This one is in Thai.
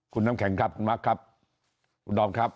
คุณน้ำแข็งครับคุณมาร์คครับคุณดอมครับ